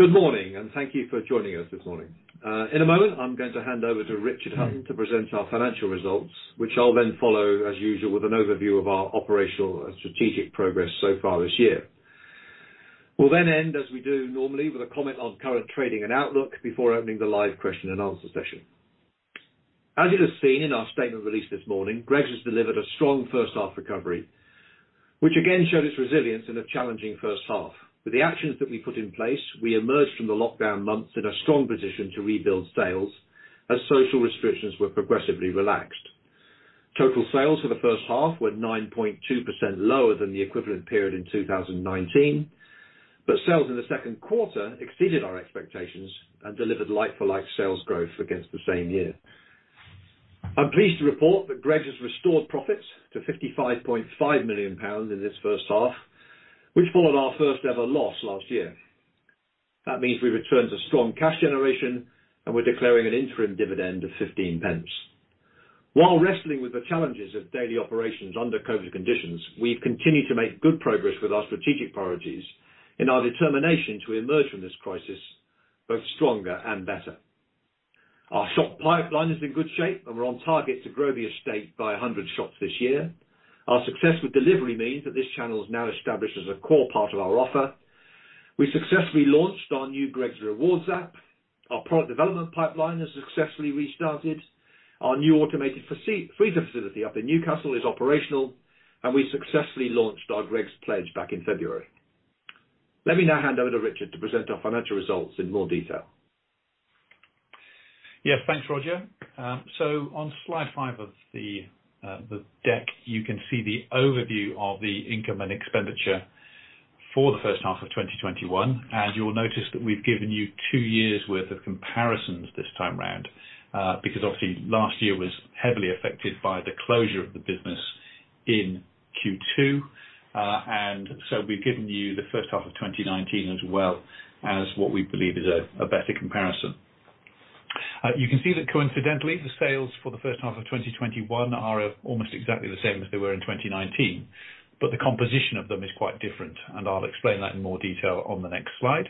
Good morning, and thank you for joining us this morning. In a moment, I'm going to hand over to Richard Hutton to present our financial results, which I'll then follow, as usual, with an overview of our operational and strategic progress so far this year. We'll then end, as we do normally, with a comment on current trading and outlook before opening the live question-and-answer session. As you have seen in our statement release this morning, Greggs has delivered a strong first half recovery, which again showed its resilience in a challenging first half. With the actions that we put in place, we emerged from the lockdown months in a strong position to rebuild sales as social restrictions were progressively relaxed. Total sales for the first half were 9.2% lower than the equivalent period in 2019, sales in the second quarter exceeded our expectations and delivered like-for-like sales growth against the same year. I'm pleased to report that Greggs has restored profits to 55.5 million pounds in this first half, which followed our first ever loss last year. That means we returned to strong cash generation and we're declaring an interim dividend of 0.15. While wrestling with the challenges of daily operations under COVID conditions, we've continued to make good progress with our strategic priorities in our determination to emerge from this crisis both stronger and better. Our shop pipeline is in good shape, we're on target to grow the estate by 100 shops this year. Our successful delivery means that this channel is now established as a core part of our offer. We successfully launched our new Greggs Rewards app. Our product development pipeline has successfully restarted. Our new automated freezer facility up in Newcastle is operational, and we successfully launched our Greggs Pledge back in February. Let me now hand over to Richard to present our financial results in more detail. Yes, thanks, Roger. On slide 5 of the deck, you can see the overview of the income and expenditure for the 1st half of 2021. You will notice that we've given you two years' worth of comparisons this time around because obviously last year was heavily affected by the closure of the business in Q2. We've given you the first half of 2019 as well, as what we believe is a better comparison. You can see that coincidentally, the sales for the first half of 2021 are almost exactly the same as they were in 2019, but the composition of them is quite different, and I'll explain that in more detail on the next slide.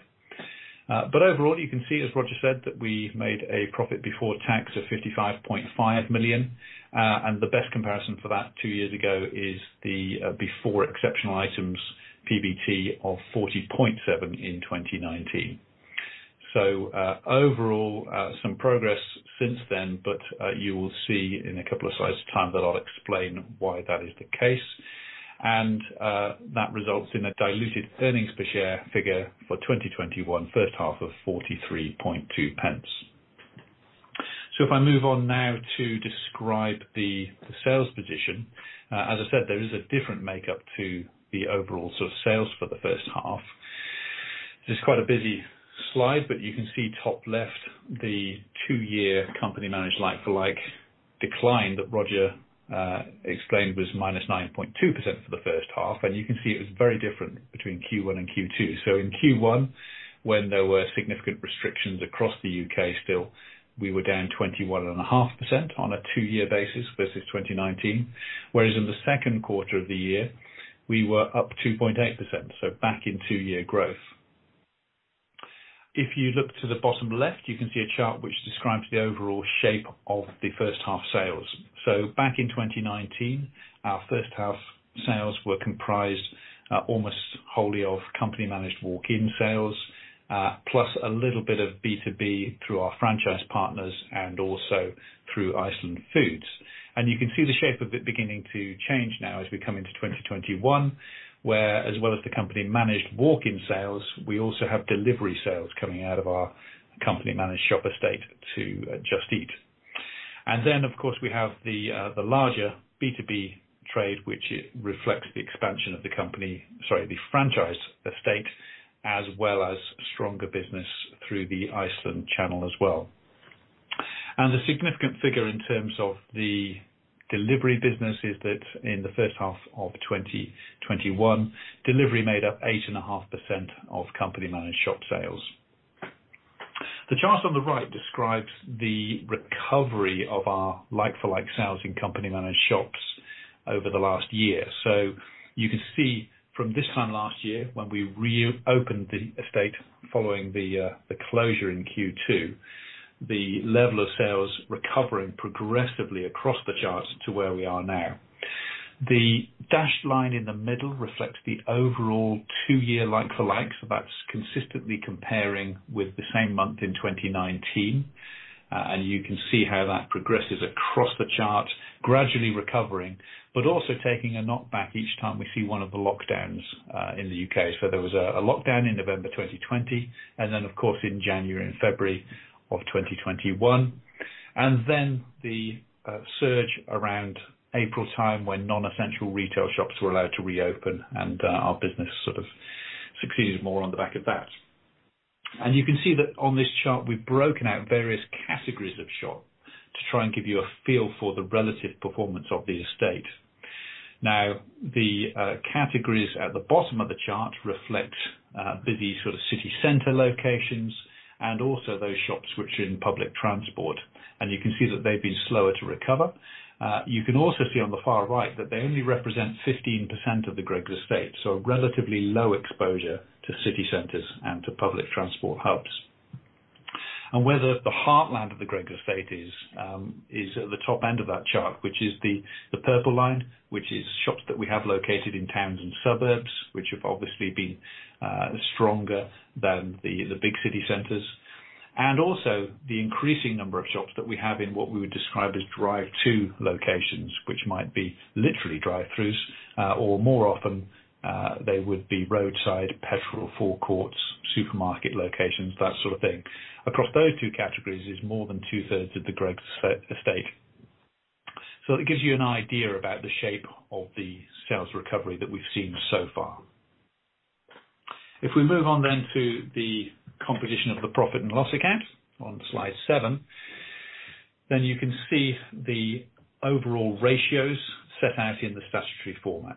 Overall, you can see, as Roger said, that we made a profit before tax of 55.5 million, and the best comparison for that two years ago is the before exceptional items PBT of 40.7 in 2019. Overall, some progress since then, you will see in a couple of slides' time that I'll explain why that is the case, and that results in a diluted earnings per share figure for 2021 first half of 0.432. If I move on now to describe the sales position, as I said, there is a different makeup to the overall sales for the first half. This is quite a busy slide, you can see top left, the two-year company managed like-for-like decline that Roger explained was -9.2% for the first half, you can see it was very different between Q1 and Q2. In Q1, when there were significant restrictions across the U.K. still, we were down 21.5% on a two-year basis versus 2019. Whereas in the second quarter of the year, we were up 2.8%, so back in two-year growth. If you look to the bottom left, you can see a chart which describes the overall shape of the first half sales. Back in 2019, our first half sales were comprised almost wholly of company managed walk-in sales, plus a little bit of B2B through our franchise partners and also through Iceland Foods. You can see the shape of it beginning to change now as we come into 2021, where as well as the company managed walk-in sales, we also have delivery sales coming out of our company managed shop estate to Just Eat. Of course, we have the larger B2B trade, which reflects the expansion of the franchise estate, as well as stronger business through the Iceland channel as well. The significant figure in terms of the delivery business is that in the first half of 2021, delivery made up 8.5% of company managed shop sales. The chart on the right describes the recovery of our like-for-like sales in company managed shops over the last year. You can see from this time last year when we reopened the estate following the closure in Q2, the level of sales recovering progressively across the charts to where we are now. The dashed line in the middle reflects the overall two-year like-for-like, that's consistently comparing with the same month in 2019. You can see how that progresses across the chart, gradually recovering, but also taking a knockback each time we see one of the lockdowns in the U.K. There was a lockdown in November 2020, and then of course in January and February of 2021, and then the surge around April time when non-essential retail shops were allowed to reopen and our business sort of succeeded more on the back of that. You can see that on this chart, we've broken out various categories of shop to try and give you a feel for the relative performance of the estate. Now, the categories at the bottom of the chart reflect busy sort of city center locations and also those shops which are in public transport. You can see that they've been slower to recover. You can also see on the far right that they only represent 15% of the Greggs estate, so relatively low exposure to city centers and to public transport hubs. Where the heartland of the Greggs estate is at the top end of that chart, which is the purple line, which is shops that we have located in towns and suburbs, which have obviously been stronger than the big city centers. Also the increasing number of shops that we have in what we would describe as drive-to locations, which might be literally drive-throughs, or more often, they would be roadside petrol forecourts, supermarket locations, that sort of thing. Across those two categories is more than two-thirds of the Greggs estate. It gives you an idea about the shape of the sales recovery that we've seen so far. We move on to the composition of the profit and loss account on slide 7, you can see the overall ratios set out in the statutory format.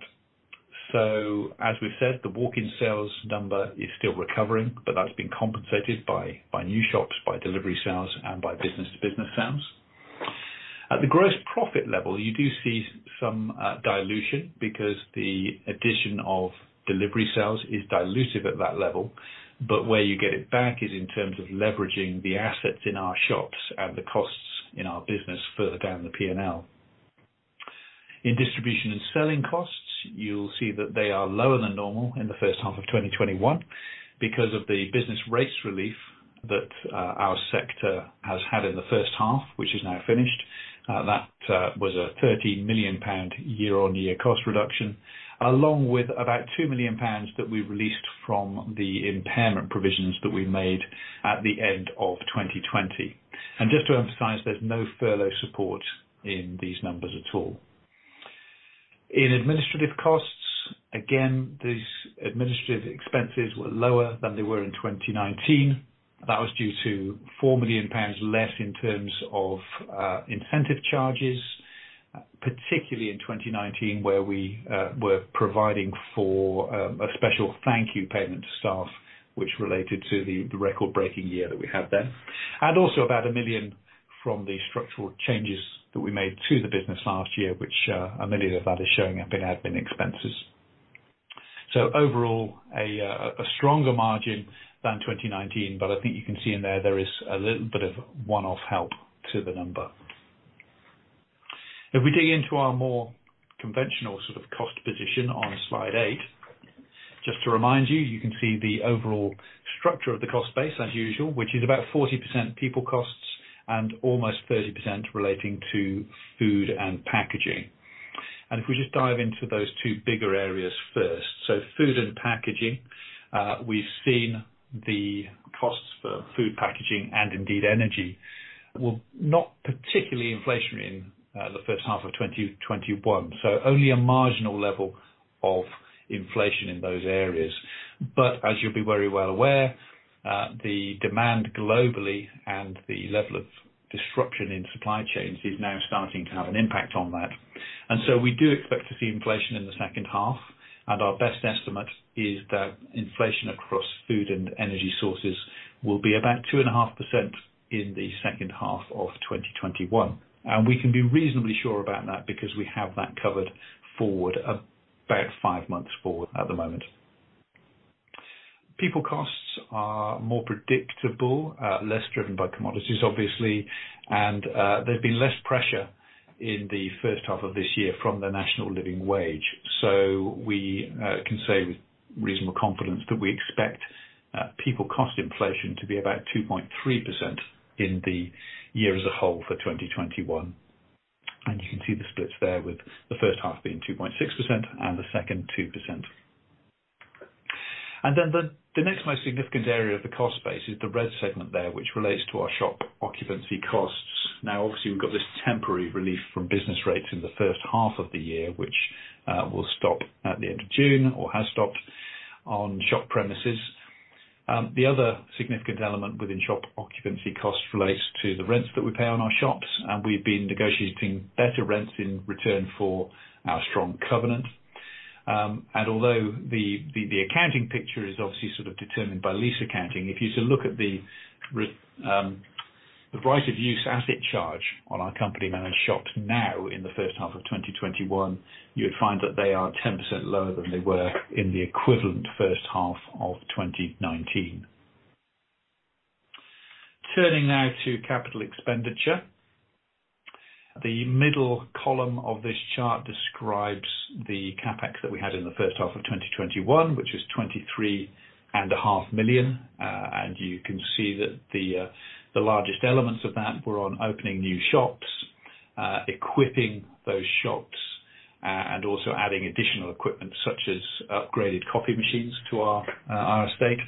As we've said, the walk-in sales number is still recovering, but that's been compensated by new shops, by delivery sales, and by business-to-business sales. At the gross profit level, you do see some dilution because the addition of delivery sales is dilutive at that level. Where you get it back is in terms of leveraging the assets in our shops and the costs in our business further down the P&L. In distribution and selling costs, you'll see that they are lower than normal in the first half of 2021 because of the business rates relief that our sector has had in the first half, which is now finished. That was a 30 million pound year-on-year cost reduction, along with about 2 million pounds that we released from the impairment provisions that we made at the end of 2020. Just to emphasize, there is no furlough support in these numbers at all. In administrative costs, again, these administrative expenses were lower than they were in 2019. That was due to 4 million pounds less in terms of incentive charges, particularly in 2019, where we were providing for a special thank you payment to staff, which related to the record-breaking year that we had then. Also about 1 million from the structural changes that we made to the business last year, which 1 million of that is showing up in admin expenses. Overall, a stronger margin than 2019, but I think you can see in there is a little bit of one-off help to the number. We dig into our more conventional sort of cost position on slide 8, just to remind you can see the overall structure of the cost base as usual, which is about 40% people costs and almost 30% relating to food and packaging. We just dive into those two bigger areas first, so food and packaging, we've seen the costs for food packaging and indeed energy were not particularly inflationary in the first half of 2021, so only a marginal level of inflation in those areas. You'll be very well aware, the demand globally and the level of disruption in supply chains is now starting to have an impact on that. We do expect to see inflation in the second half, and our best estimate is that inflation across food and energy sources will be about 2.5% in the second half of 2021. We can be reasonably sure about that because we have that covered forward, about five months forward at the moment. People costs are more predictable, less driven by commodities, obviously, and there's been less pressure in the first half of this year from the national living wage. We can say with reasonable confidence that we expect people cost inflation to be about 2.3% in the year as a whole for 2021. You can see the splits there with the first half being 2.6% and the second 2%. Then the next most significant area of the cost base is the red segment there, which relates to our shop occupancy costs. Obviously, we've got this temporary relief from business rates in the first half of the year, which will stop at the end of June or has stopped on shop premises. The other significant element within shop occupancy costs relates to the rents that we pay on our shops, and we've been negotiating better rents in return for our strong covenant. Although the accounting picture is obviously sort of determined by lease accounting, if you look at the right-of-use asset charge on our company managed shops now in the first half of 2021, you would find that they are 10% lower than they were in the equivalent first half of 2019. Turning now to capital expenditure. The middle column of this chart describes the CapEx that we had in the first half of 2021, which is 23.5 million. You can see that the largest elements of that were on opening new shops, equipping those shops, and also adding additional equipment such as upgraded coffee machines to our estate.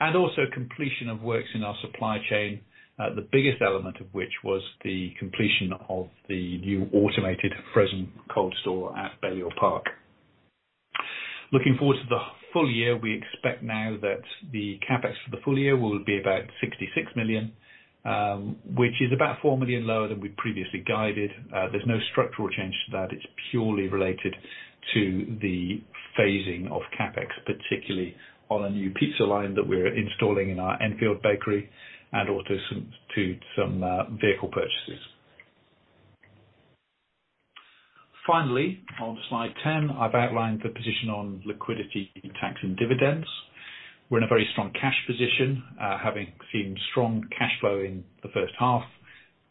Also completion of works in our supply chain, the biggest element of which was the completion of the new automated frozen cold store at Balliol Park. Looking forward to the full year, we expect now that the CapEx for the full year will be about 66 million, which is about 4 million lower than we previously guided. There's no structural change to that. It's purely related to the phasing of CapEx, particularly on a new pizza line that we're installing in our Enfield bakery and also to some vehicle purchases. Finally, on slide 10, I've outlined the position on liquidity, tax, and dividends. We're in a very strong cash position, having seen strong cash flow in the first half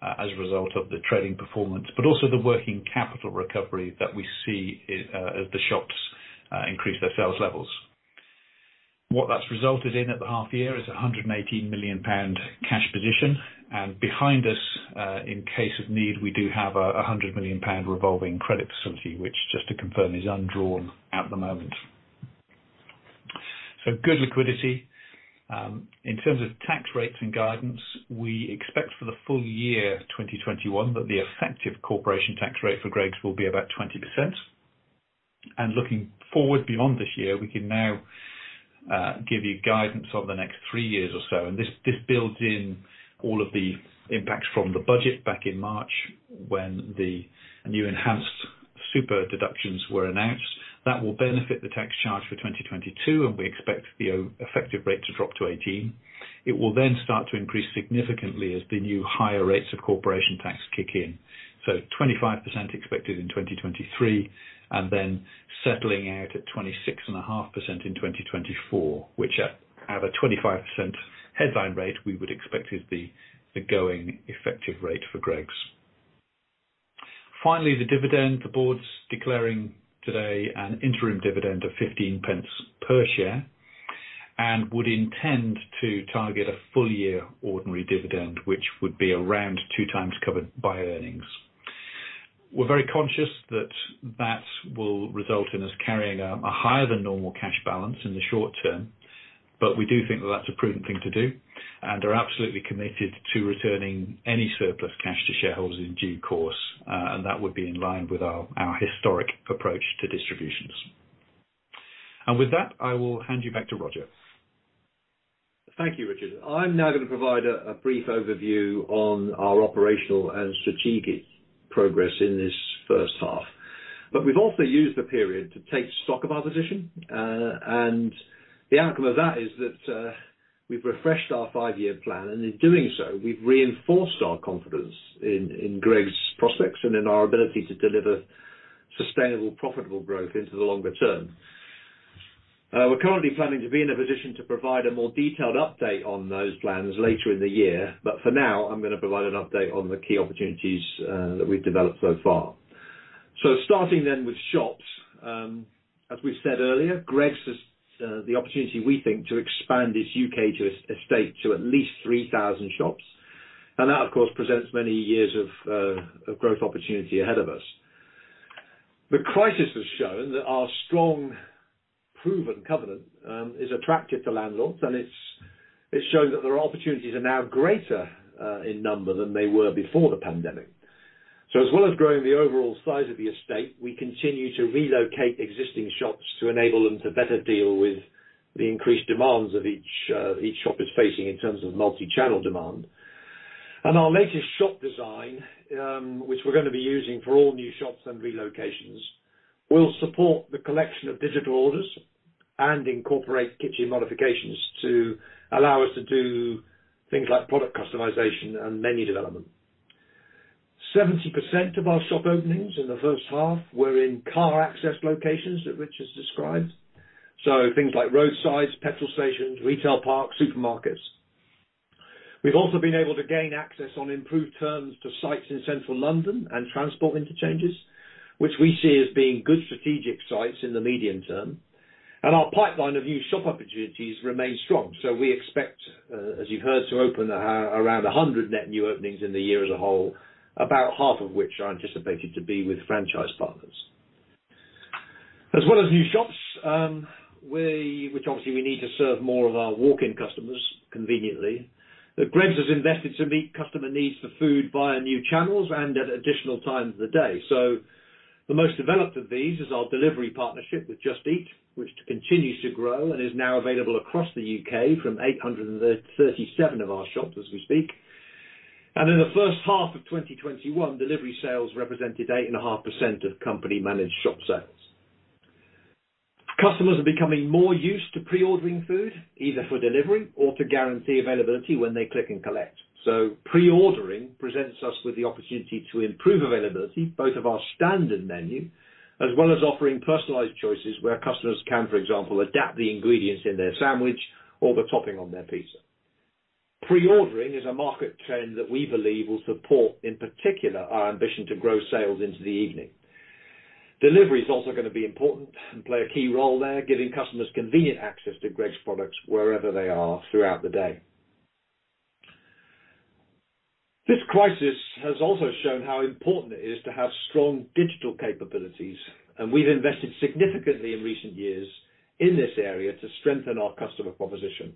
as a result of the trading performance, but also the working capital recovery that we see as the shops increase their sales levels. What that's resulted in at the half year is 118 million pound cash position, and behind us, in case of need, we do have 100 million pound revolving credit facility, which, just to confirm, is undrawn at the moment. Good liquidity. In terms of tax rates and guidance, we expect for the full year 2021 that the effective corporation tax rate for Greggs will be about 20%. Looking forward beyond this year, we can now give you guidance on the next three years or so, and this builds in all of the impacts from the budget back in March, when the new enhanced super-deductions were announced. That will benefit the tax charge for 2022, and we expect the effective rate to drop to 18. It will then start to increase significantly as the new higher rates of corporation tax kick in. 25% expected in 2023, and then settling out at 26.5% in 2024, which at a 25% headline rate, we would expect is the going effective rate for Greggs. Finally, the dividend. The board's declaring today an interim dividend of 0.15 per share and would intend to target a full year ordinary dividend, which would be around 2 times covered by earnings. We're very conscious that that will result in us carrying a higher than normal cash balance in the short term, but we do think that that's a prudent thing to do and are absolutely committed to returning any surplus cash to shareholders in due course, and that would be in line with our historic approach to distributions. With that, I will hand you back to Roger. Thank you, Richard. I'm now going to provide a brief overview on our operational and strategic progress in this first half. We've also used the period to take stock of our position. The outcome of that is that we've refreshed our five-year plan, and in doing so, we've reinforced our confidence in Greggs prospects and in our ability to deliver sustainable, profitable growth into the longer term. We're currently planning to be in a position to provide a more detailed update on those plans later in the year, but for now, I'm going to provide an update on the key opportunities that we've developed so far. Starting then with shops. As we said earlier, Greggs has the opportunity, we think, to expand its U.K. estate to at least 3,000 shops, and that, of course, presents many years of growth opportunity ahead of us. The crisis has shown that our strong, proven covenant is attractive to landlords, and it's shown that there are opportunities are now greater in number than they were before the pandemic. As well as growing the overall size of the estate, we continue to relocate existing shops to enable them to better deal with the increased demands of each shop is facing in terms of multi-channel demand. Our latest shop design, which we're going to be using for all new shops and relocations, will support the collection of digital orders and incorporate kitchen modifications to allow us to do things like product customization and menu development. 70% of our shop openings in the first half were in car access locations that Richard described. Things like roadsides, petrol stations, retail parks, supermarkets. We've also been able to gain access on improved terms to sites in Central London and transport interchanges, which we see as being good strategic sites in the medium term. Our pipeline of new shop opportunities remains strong. We expect, as you've heard, to open around 100 net new openings in the year as a whole, about half of which are anticipated to be with franchise partners. As well as new shops, which obviously we need to serve more of our walk-in customers conveniently, that Greggs has invested to meet customer needs for food via new channels and at additional times of the day. The most developed of these is our delivery partnership with Just Eat, which continues to grow and is now available across the U.K. from 837 of our shops as we speak. In the first half of 2021, delivery sales represented 8.5% of company managed shop sales. Customers are becoming more used to pre-ordering food, either for delivery or to guarantee availability when they Click + Collect. Pre-ordering presents us with the opportunity to improve availability, both of our standard menu, as well as offering personalized choices where customers can, for example, adapt the ingredients in their sandwich or the topping on their pizza. Pre-ordering is a market trend that we believe will support, in particular, our ambition to grow sales into the evening. Delivery is also going to be important and play a key role there, giving customers convenient access to Greggs products wherever they are throughout the day. This crisis has also shown how important it is to have strong digital capabilities, and we've invested significantly in recent years in this area to strengthen our customer proposition.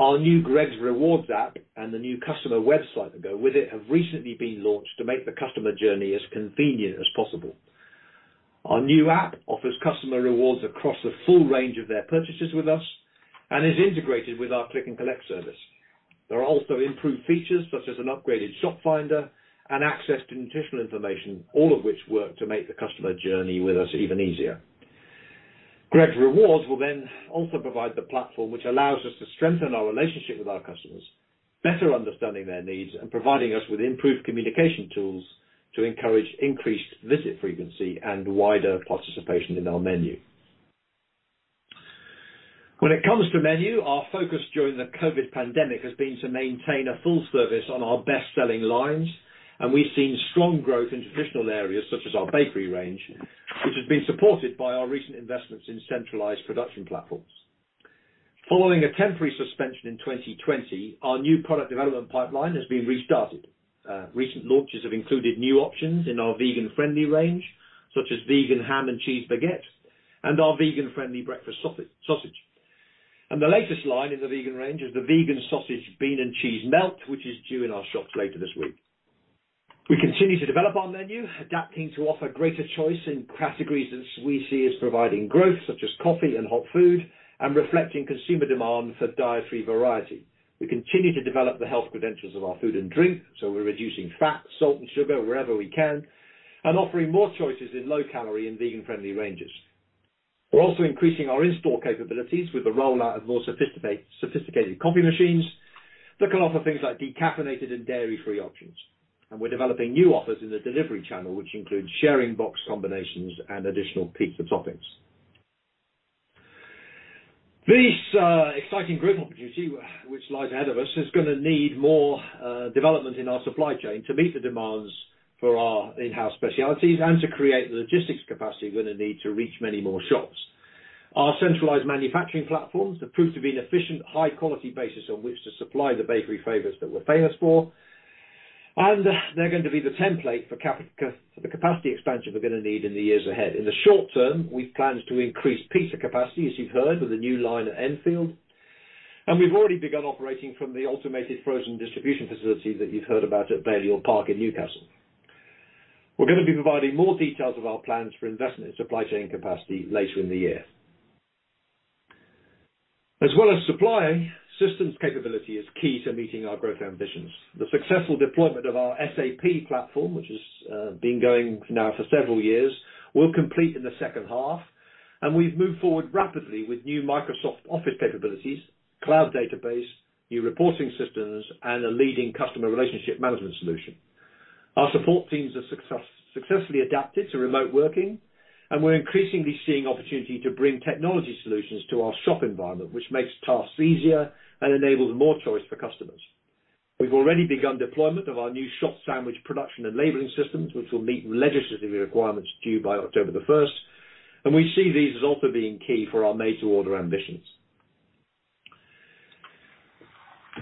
Our new Greggs Rewards app and the new customer website that go with it have recently been launched to make the customer journey as convenient as possible. Our new app offers customer rewards across the full range of their purchases with us and is integrated with our Click + Collect service. There are also improved features such as an upgraded shop finder and access to nutritional information, all of which work to make the customer journey with us even easier. Greggs Rewards will also provide the platform which allows us to strengthen our relationship with our customers, better understanding their needs, and providing us with improved communication tools to encourage increased visit frequency and wider participation in our menu. When it comes to menu, our focus during the COVID pandemic has been to maintain a full service on our best-selling lines, and we've seen strong growth in traditional areas such as our bakery range, which has been supported by our recent investments in centralized production platforms. Following a temporary suspension in 2020, our new product development pipeline has been restarted. Recent launches have included new options in our vegan-friendly range, such as vegan ham and cheese baguettes, and our vegan-friendly breakfast sausage. The latest line in the vegan range is the vegan sausage bean and cheese melt, which is due in our shops later this week. We continue to develop our menu, adapting to offer greater choice in categories that we see as providing growth, such as coffee and hot food, and reflecting consumer demand for dietary variety. We continue to develop the health credentials of our food and drink, so we're reducing fat, salt and sugar wherever we can, and offering more choices in low calorie and vegan-friendly ranges. We're also increasing our in-store capabilities with the rollout of more sophisticated coffee machines that can offer things like decaffeinated and dairy-free options. We're developing new offers in the delivery channel, which includes sharing box combinations and additional pizza toppings. This exciting growth opportunity which lies ahead of us is going to need more development in our supply chain to meet the demands for our in-house specialties and to create the logistics capacity we're going to need to reach many more shops. Our centralized manufacturing platforms have proved to be an efficient, high-quality basis on which to supply the bakery favorites that we're famous for, and they're going to be the template for the capacity expansion we're going to need in the years ahead. In the short term, we've planned to increase pizza capacity, as you've heard, with the new line at Enfield. We've already begun operating from the automated frozen distribution facility that you've heard about at Balliol Park in Newcastle. We're going to be providing more details of our plans for investment in supply chain capacity later in the year. As well as supply, systems capability is key to meeting our growth ambitions. The successful deployment of our SAP platform, which has been going now for several years, will complete in the second half. We've moved forward rapidly with new Microsoft Office capabilities, cloud database, new reporting systems, and a leading customer relationship management solution. Our support teams have successfully adapted to remote working. We're increasingly seeing opportunity to bring technology solutions to our shop environment, which makes tasks easier and enables more choice for customers. We've already begun deployment of our new shop sandwich production and labeling systems, which will meet legislative requirements due by October 1st. We see these as also being key for our made-to-order ambitions.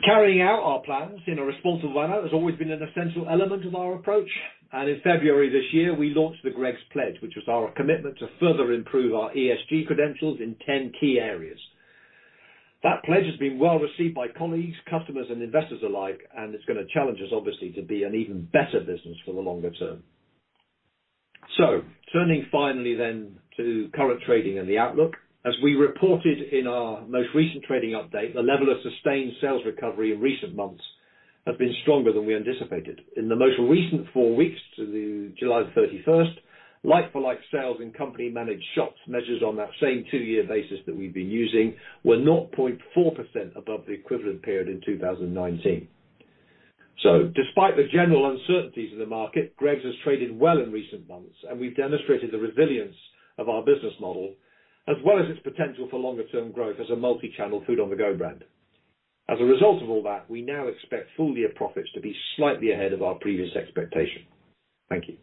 Carrying out our plans in a responsible manner has always been an essential element of our approach, and in February this year, we launched the Greggs Pledge, which was our commitment to further improve our ESG credentials in 10 key areas. That pledge has been well received by colleagues, customers, and investors alike, and it's going to challenge us, obviously, to be an even better business for the longer term. Turning finally then to current trading and the outlook. As we reported in our most recent trading update, the level of sustained sales recovery in recent months have been stronger than we anticipated. In the most recent four weeks to July 31st, like-for-like sales in company-managed shops measured on that same two-year basis that we've been using, were 0.4% above the equivalent period in 2019. Despite the general uncertainties in the market, Greggs's has traded well in recent months, and we've demonstrated the resilience of our business model, as well as its potential for longer-term growth as a multi-channel food-on-the-go brand. As a result of all that, we now expect full-year profits to be slightly ahead of our previous expectation. Thank you.